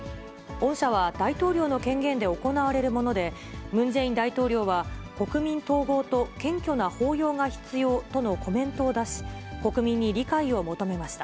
恩赦は大統領の権限で行われるもので、ムン・ジェイン大統領は、国民統合と謙虚な包容が必要とのコメントを出し、国民に理解を求めました。